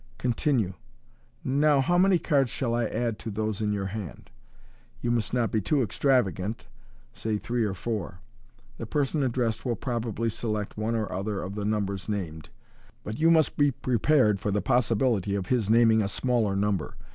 Continue, " Now how many cards shall I add to those in your hand ? You must not be too extravagant, say three or four." The person addressed will probably select one or other of the numbers named, but you must be prepared for the possibility of his naming a smaller number.